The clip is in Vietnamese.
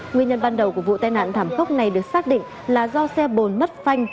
nguyên nhân ban đầu của vụ tai nạn thảm khốc này được xác định là do xe bồn mất phanh